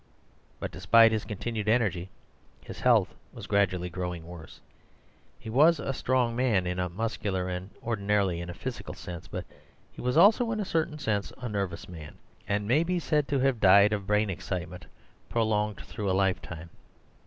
But despite his continued energy, his health was gradually growing worse. He was a strong man in a muscular, and ordinarily in a physical sense, but he was also in a certain sense a nervous man, and may be said to have died of brain excitement prolonged through a lifetime.